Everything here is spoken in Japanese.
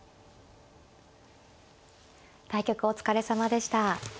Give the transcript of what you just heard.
対局お疲れさまでした。